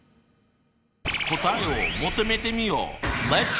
答えを求めてみよう！